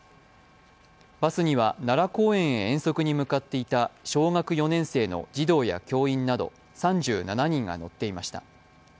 バスには奈良公園へ遠足にむかっいてた小学４年生の児童や教員など３７人が乗っていました。